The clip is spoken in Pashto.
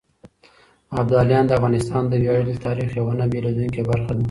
ابداليان د افغانستان د وياړلي تاريخ يوه نه بېلېدونکې برخه ده.